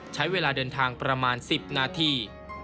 ใช้เวลาเดินทางประมาณ๑๐นาที